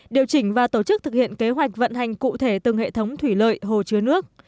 điều chỉnh và tổ chức thực hiện kế hoạch vận hành cụ thể từng hệ thống thủy lợi hồ chứa nước